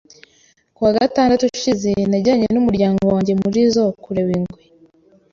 Ku wa gatandatu ushize, najyanye n'umuryango wanjye muri zoo kureba ingwe.